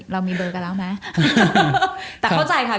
เรามีเบอร์กันแล้วนะ